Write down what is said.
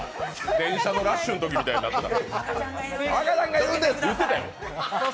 電車のラッシュのときみたいになってた。